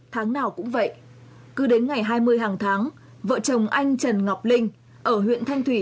tháng nào cũng vậy cứ đến ngày hai mươi hàng tháng vợ chồng anh trần ngọc linh ở huyện thanh thủy